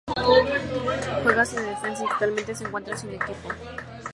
Juega de defensa y actualmente se encuentra sin equipo.